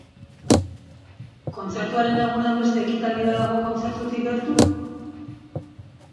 Kontzertuaren egunean beste ekitaldi bat dago kontzertutik gertu?